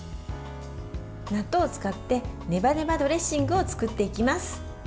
納豆を使ってネバネバドレッシングを作っていきます。